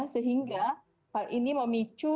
sehingga hal ini memicu